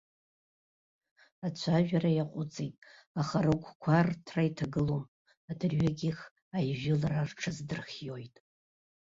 Ацәажәара иаҟәыҵит, аха рыгәқәа рҭра иҭагылом, адырҩегьых аижәылара рҽаздырхиоит.